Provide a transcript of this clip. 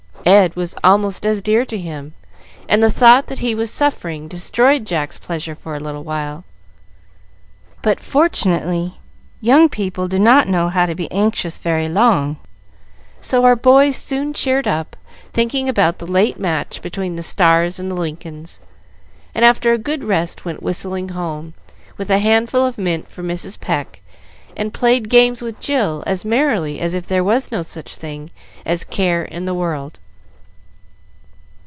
Ed was almost as dear to him, and the thought that he was suffering destroyed Jack's pleasure for a little while. But, fortunately, young people do not know how to be anxious very long, so our boy soon cheered up, thinking about the late match between the Stars and the Lincolns, and after a good rest went whistling home, with a handful of mint for Mrs. Pecq, and played games with Jill as merrily as if there was no such thing as care in the world.